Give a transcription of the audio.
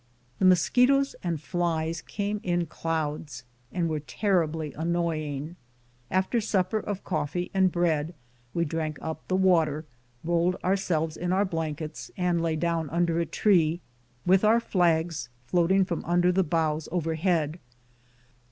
The mosquitoes and flies came in clouds, and were terribly annoying. After supper of coffee and bread, we drank up the water, rolled our selves in our blankets, and lay down under a tree with our flags floating from under the boughs overhead.